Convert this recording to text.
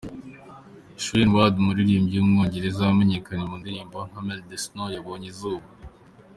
Shayne Ward, umuririmbyi w’umwongereza wamenyekanye mu ndirimbo nka Melt The Snow yabonye izuba.